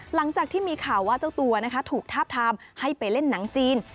หลังจากที่มีข่าวว่าเจ้าตัวถูกทาบทามให้ไปเล่นหนังจีน